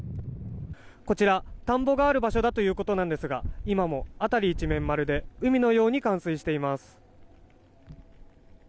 こちら、田んぼがある場所だということですが今も辺り一面、まるで海のように冠水しています。